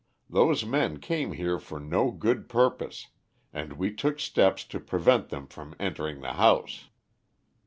Those men came here for no good purpose, and we took steps to prevent them from entering the house.